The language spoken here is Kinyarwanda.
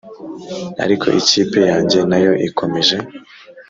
Ariko ikipe yanjye nayo ikomeje